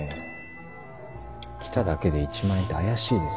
来ただけで１万円って怪しいです。